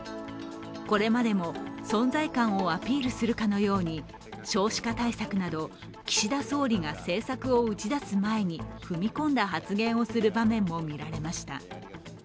これまでも存在感をアピールするかのように少子化対策など岸田総理が政策を打ち出す前に踏み込んだ発言をする場面も見られました。